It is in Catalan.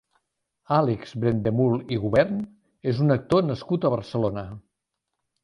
Àlex Brendemühl i Gubern és un actor nascut a Barcelona.